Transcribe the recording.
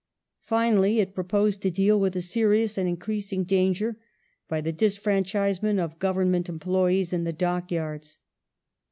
Finally, it proposed to deal with a serious and increasing danger by the disfranchisement of Government employees in the dock yards.